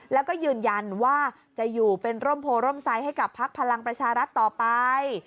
แล้วก็ยืนยันว่าจะอยู่เป็นร่มโพร่มไซด์ให้กับพักพลังประชารัฐต่อไป